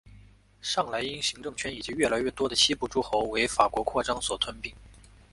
上莱茵行政圈以及越来越多的西部诸侯为法国扩张所吞并。